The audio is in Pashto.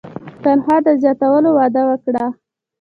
تنخوا د زیاتولو وعده ورکړه.